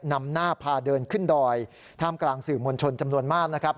นำหน้าพาเดินขึ้นดอยท่ามกลางสื่อมวลชนจำนวนมากนะครับ